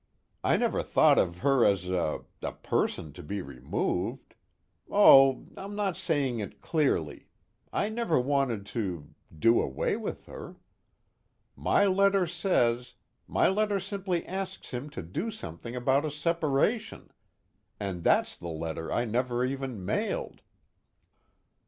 I never thought of her as a a person to be removed oh, I'm not saying it clearly I never wanted to do away with her. My letter says my letter simply asks him to do something about a separation. And that's the letter I never even mailed."